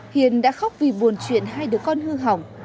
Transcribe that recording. hiền đã khóc vì buồn chuyện hai đứa con hư hỏng